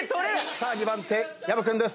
さあ２番手薮君です。